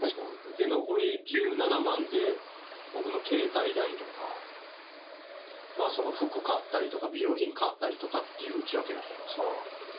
残り１７万で僕の携帯代とか服買ったりとか美容品買ったりとかっていう内訳になってますね。